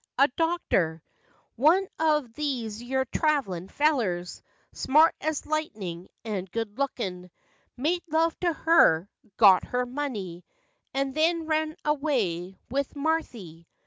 A doctor, One of these yer trav'lin fellers, ' Smart as lightnin', and good lookin', Made love to her, got her money, And then run away with Marthy."